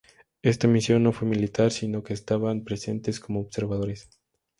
Esta misión no fue militar, sino que estaban presentes como observadores.